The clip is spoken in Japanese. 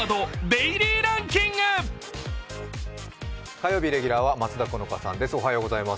火曜日レギュラーは松田好花さんです。